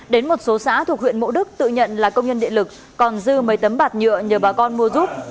đến một số xã thuộc huyện mộ đức tự nhận là công nhân địa lực còn dư mấy tấm bạt nhựa nhờ bà con mua giúp